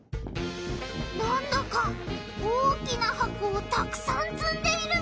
なんだか大きな箱をたくさんつんでいるぞ！